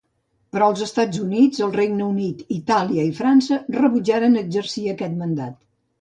Però els Estats Units, el Regne Unit, Itàlia i França rebutjaren exercir aquest mandat.